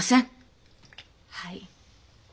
はい。